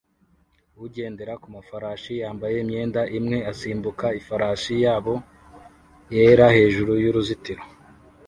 Ugendera ku mafarashi yambaye imyenda imwe asimbuka ifarashi yabo yera hejuru y'uruzitiro